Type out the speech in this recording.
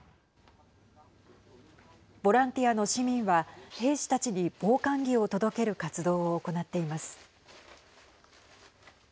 ボランティアの市民は兵士たちに防寒着を届ける活動を行っています。